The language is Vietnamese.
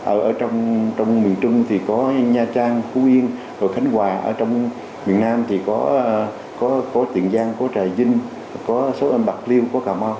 ở trong miền trung thì có nha trang phú yên khánh hòa ở trong miền nam thì có tiện giang trà vinh số ân bạc liêu cà mau